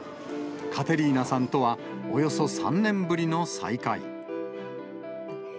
カテリーナさんとはおよそ３年ぶりの再会。